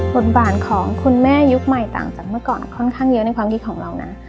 บทบาทของคุณแม่ยุคใหม่ต่างจากเมื่อก่อนค่อนข้างเยอะในความคิดของเรานะ